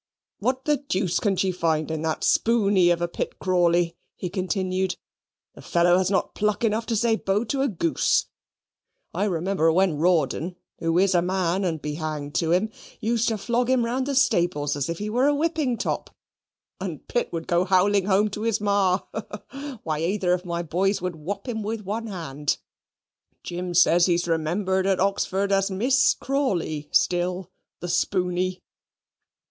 "What the deuce can she find in that spooney of a Pitt Crawley?" he continued. "The fellow has not pluck enough to say Bo to a goose. I remember when Rawdon, who is a man, and be hanged to him, used to flog him round the stables as if he was a whipping top: and Pitt would go howling home to his ma ha, ha! Why, either of my boys would whop him with one hand. Jim says he's remembered at Oxford as Miss Crawley still the spooney.